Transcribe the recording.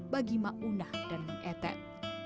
bagi ma'unah dan mang etet